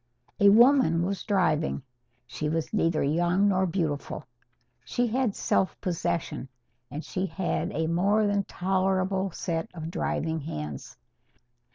A woman was driving. She was neither young nor beautiful. She had self possession, and she had a more than tolerable set of driving hands.